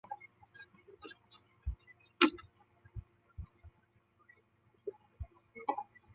莱克城是位于美国加利福尼亚州莫多克县的一个人口普查指定地区。